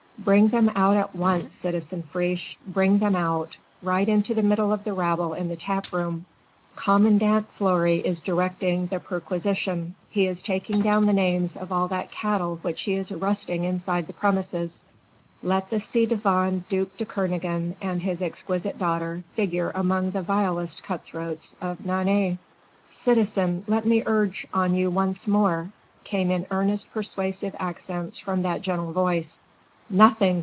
"Bring them out at once, citizen Friche ... bring them out ... right into the middle of the rabble in the tap room.... Commandant Fleury is directing the perquisition he is taking down the names of all that cattle which he is arresting inside the premises let the ci devant duc de Kernogan and his exquisite daughter figure among the vilest cut throats of Nantes." "Citizen, let me urge on you once more ..." came in earnest persuasive accents from that gentle voice. "Nothing!"